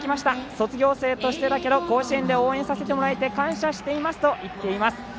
卒業生としてだけど甲子園で応援させてもらえて感謝していますと言っています。